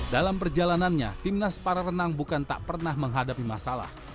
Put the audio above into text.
dalam perjalanannya timnas para renang bukan tak pernah menghadapi masalah